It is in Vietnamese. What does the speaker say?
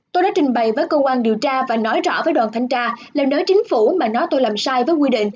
tôi đã trình bày với cơ quan điều tra và nói rõ với đoàn thanh tra lần đó chính phủ mà nói tôi làm sai với quy định